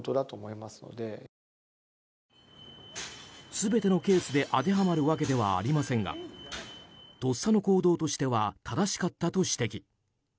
全てのケースで当てはまるわけではありませんがとっさの行動としては正しかったと指摘。